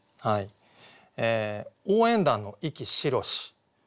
「応援団の息白し」。